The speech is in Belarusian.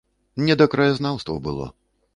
Не да краязнаўства было!